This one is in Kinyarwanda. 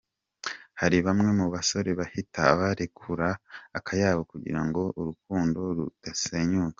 Hari bamwe mu basore bahita barekura akayabo kugira ngo urukundo rudasenyuka.